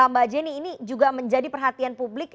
mbak jenny ini juga menjadi perhatian publik